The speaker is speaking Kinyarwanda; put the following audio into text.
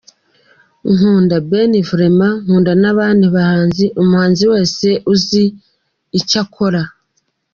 Nkunda Ben vraiment ! Nkunda n’abandi bahanzi, umuhanzi wese uzi icyo akora.